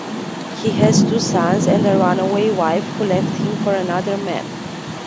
He has two sons and a runaway wife who left him for another man.